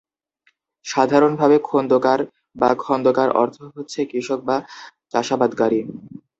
সাধারণ ভাবে খোন্দকার বা খন্দকার অর্থ হচ্ছে কৃষক বা চাষাবাদকারী।